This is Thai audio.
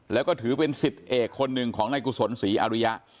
แล้วก็ถือเป็นสิทธิ์เอกคนหนึ่งของนายกุศลศรีอริยะ